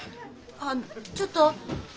あっちょっと。